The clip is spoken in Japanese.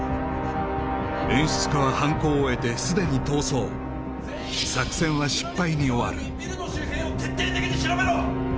演出家は犯行を終えて既に逃走作戦は失敗に終わるビルの周辺を徹底的に調べろ！